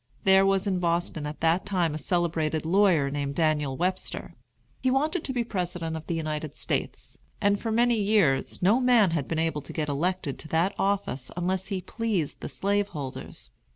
There was in Boston at that time a celebrated lawyer named Daniel Webster. He wanted to be President of the United States, and for many years no man had been able to get elected to that office unless he pleased the slaveholders.